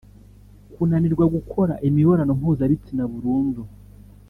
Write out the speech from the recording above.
kunanirwa gukora imibonano mpuzabitsina burundu